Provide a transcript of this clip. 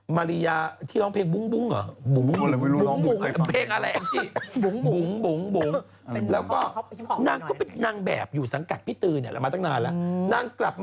มาริญาที่ร้องเพลง